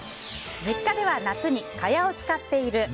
実家では夏に蚊帳を使っている。